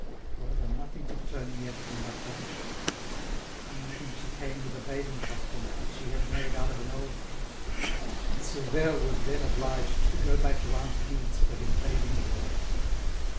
However, nothing could turn Miette from her purpose. One evening she came with a bathing costume which she had made out of an old dress; and Silvère was then obliged to go back to aunt Dide's for his bathing drawers.